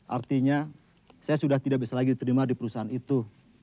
artinya saya sudah tidak bisa lagi terima di perusahaan itu